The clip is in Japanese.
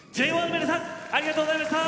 ＪＯ１の皆さんありがとうございました！